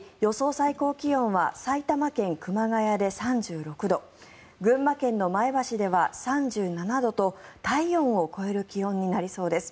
最高気温は埼玉県熊谷で３６度群馬県の前橋では３７度と体温を超える気温になりそうです。